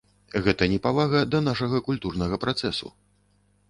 Гэта непавага да нашага культурнага працэсу.